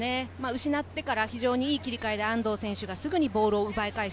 失ってから、いい切り替えで安藤選手がすぐにボールを奪い返す。